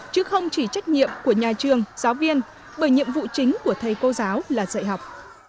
chứ không chỉ trách nhiệm của nhà trường giáo viên bởi nhiệm vụ chính của thầy cô giáo là dạy học